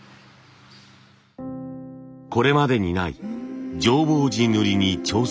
これまでにない浄法寺塗に挑戦したい。